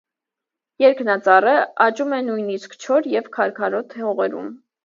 Երկնածառը աճում է նույնիսկ չոր և քարքարոտ հողերում։